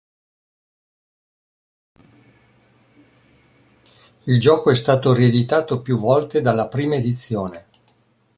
Il gioco è stato rieditato più volte dalla prima edizione.